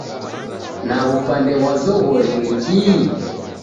Na w'upande ghwa zoghori, ni kihi?